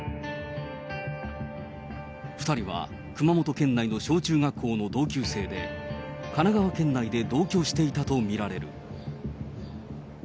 ２人は熊本県内の小中学校の同級生で、神奈川県内で同居をしていたと見られる。